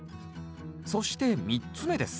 そして３つ目です